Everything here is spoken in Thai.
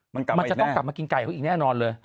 มันจะต้องกลับมากินไก่เขาอีกแน่นอนเลย